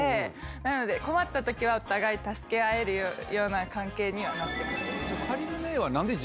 なので、困ったときはお互い助け合えるような関係にはなってます。